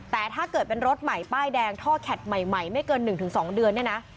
แต่ถ้าเกิดเป็นรถใหม่ป้ายแดงท่อแคทใหม่ไม่เกิน๑๒เดือนเนี่ยนะ